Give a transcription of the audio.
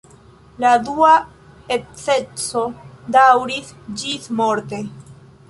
La dua edzeco daŭris ĝismorte.